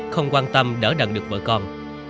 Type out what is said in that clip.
không quan tâm đỡ đần được bởi con